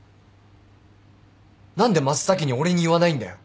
何で真っ先に俺に言わないんだよ。